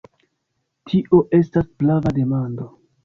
Tio estas prava demando.